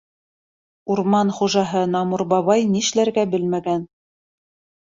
Урман хужаһы Намур бабай нишләргә белмәгән.